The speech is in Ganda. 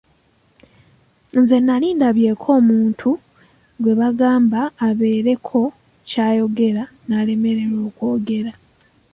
Nze nnali ndabyeko omuntu gwe bagamba abeereko ky'ayogera n'alemererwa okwogera.